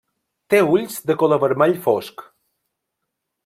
Té ulls de color vermell fosc.